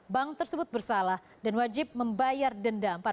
bank tersebut bersalah dan wajib membayar denda